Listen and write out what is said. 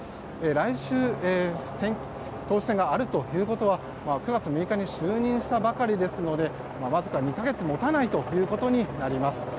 来週、党首選があるということは９月６日に就任したばかりですのでわずか２か月持たないということになります。